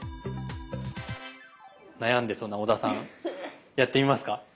悩んでそうな小田さんやってみますか？